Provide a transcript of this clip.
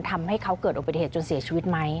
ทำให้เขาเกิดอุบัติเหตุจนเสียชีวิตไหม